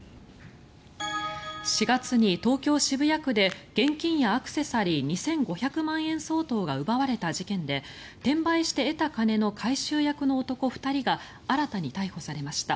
４月に東京・渋谷区で現金やアクセサリー２５００万円相当が奪われた事件で転売して得た金の回収役の男２人が新たに逮捕されました。